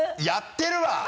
やってるわ！